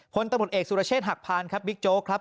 ตำรวจเอกสุรเชษฐหักพานครับบิ๊กโจ๊กครับ